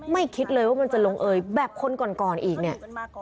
คิดเลยว่ามันจะลงเอยแบบคนก่อนอีกเนี่ย